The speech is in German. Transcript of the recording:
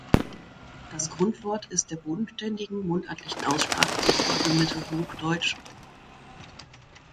Das Grundwort ist der bodenständigen mundartlichen Aussprache zufolge mhd.